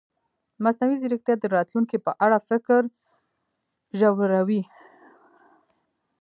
مصنوعي ځیرکتیا د راتلونکي په اړه فکر ژوروي.